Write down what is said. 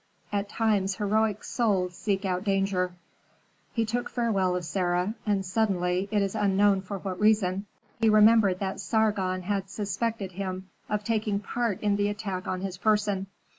At times heroic souls seek out danger. He took farewell of Sarah, and suddenly, it is unknown for what reason, he remembered that Sargon had suspected him of taking part in the attack on his person.